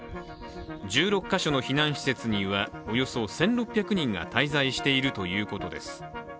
１６か所の避難施設にはおよそ１６００人が滞在しているということです。